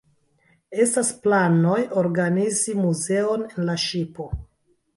Estas planoj organizi muzeon en la ŝipo.